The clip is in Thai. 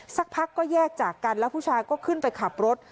สักพักก็แยกจากกันแล้วผู้ชายก็ขึ้นไปขับรถ